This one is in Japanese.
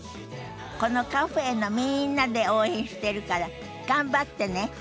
このカフェのみんなで応援してるから頑張ってね。